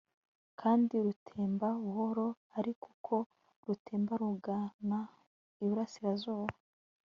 kandi rutemba buhoro, ariko uko rutemba rugana iburasirazuba